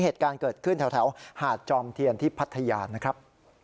เหตุการณ์เกิดขึ้นแถวหาดจอมเทียนที่พัทยานะครับ